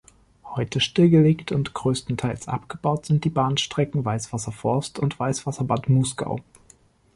Heute stillgelegt und größtenteils abgebaut sind die Bahnstrecken Weißwasser–Forst und Weißwasser–Bad Muskau.